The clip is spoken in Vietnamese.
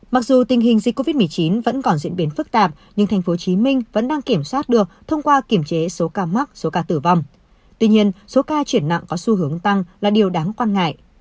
mặc dù tình hình dịch covid một mươi chín vẫn còn diễn biến phức tạp nhưng tp hcm vẫn đang kiểm soát được thông qua kiểm chế số ca mắc số ca tử vong tuy nhiên số ca chuyển nặng có xu hướng tăng là điều đáng quan ngại